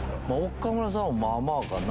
岡村さんもまぁまぁかな。